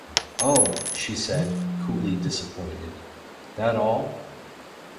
"Oh," she said, coolly disappointed, "that all?"